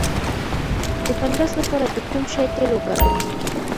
د فنګس لپاره د کوم شي تېل وکاروم؟